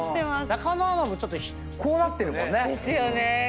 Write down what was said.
中野アナもちょっとこうなってるもんね。ですよね。